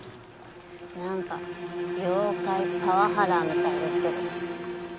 何か妖怪パワハラみたいですけど。